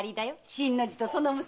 新の字とその娘！